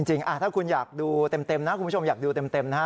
จริงถ้าคุณอยากดูเต็มนะคุณผู้ชมอยากดูเต็มนะฮะ